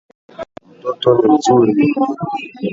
Mtoto ni mzuri.